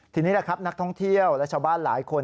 ทีนี้แหละครับนักท่องเที่ยวและชาวบ้านหลายคน